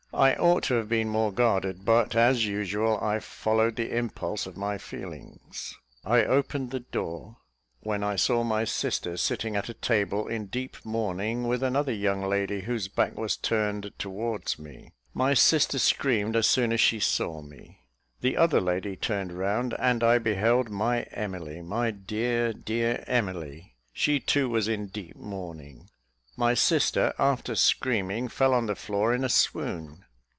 I ought to have been more guarded; but, as usual, I followed the impulse of my feelings. I opened the door, when I saw my sister sitting at a table in deep mourning, with another young lady whose back was turned towards me. My sister screamed as soon as she saw me. The other lady turned round, and I beheld my Emily, my dear, dear Emily: she too was in deep mourning. My sister, after screaming, fell on the floor in a swoon.